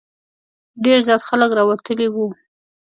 ډېر زیات خلک راوتلي وو.